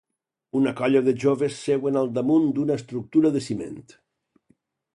Una colla de joves seuen al damunt d'una estructura de ciment.